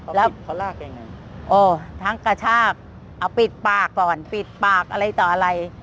แล้วเขาลากยังไงโอ้ทั้งกระชากเอาปิดปากก่อนปิดปากอะไรต่ออะไร